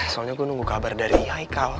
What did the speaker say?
soalnya gue nunggu kabar dari ikal